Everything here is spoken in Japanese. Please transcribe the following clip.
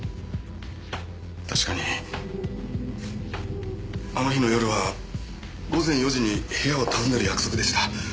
確かにあの日の夜は午前４時に部屋を訪ねる約束でした。